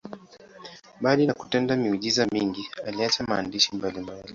Mbali na kutenda miujiza mingi, aliacha maandishi mbalimbali.